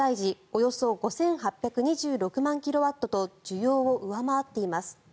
およそ５８２６万キロワットと需要を上回っています。